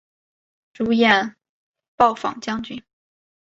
主演暴坊将军。